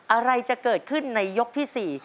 อะไรจะเกิดขึ้นในยกที่๔